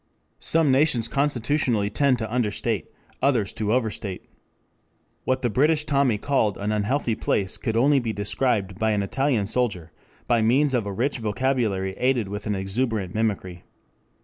Some nations constitutionally tend to understate, others to overstate. What the British Tommy called an unhealthy place could only be described by an Italian soldier by means of a rich vocabulary aided with an exuberant mimicry.